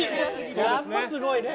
やっぱすごいね。